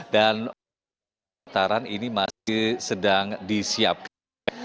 dan pendaftaran ini masih sedang disiapkan